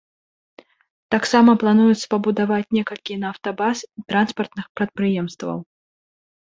Таксама плануецца пабудаваць некалькі нафтабаз і транспартных прадпрыемстваў.